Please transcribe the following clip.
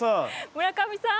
村上さん！